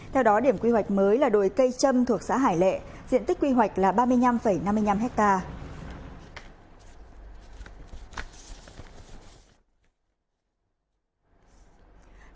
theo đó điểm quy hoạch mới là đồi cây trâm thuộc xã hải lệ diện tích quy hoạch là ba mươi năm năm mươi năm hectare